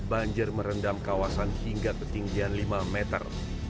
banjir merendam kawasan hingga ketinggian lima meter